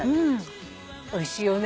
おいしいよね。